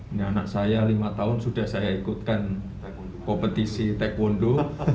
ini anak saya lima tahun sudah saya ikutkan kompetisi taekwondo